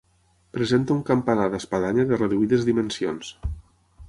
Presenta un campanar d'espadanya de reduïdes dimensions.